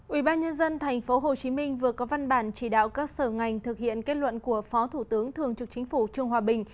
ủy ban nhân dân tp hcm vừa có văn bản chỉ đạo các sở ngành thực hiện kết luận của phó thủ tướng thường trực chính phủ trung hòa bình